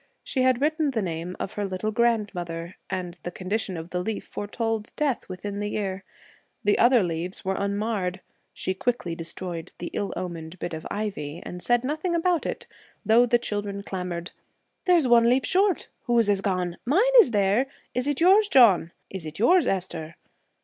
She had written the name of her little grandmother, and the condition of the leaf foretold death within the year. The other leaves were unmarred. She quickly destroyed the ill omened bit of ivy and said nothing about it, though the children clamored. 'There's one leaf short. Whose is gone?' 'Mine is there!' 'Is it yours, John?' 'Is it yours, Esther?'